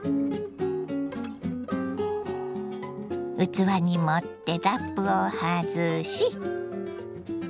器に盛ってラップを外し。